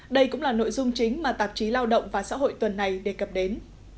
đây cũng là nội dung chính mà tạp chí lao động và xã hội tuần này đề cập đến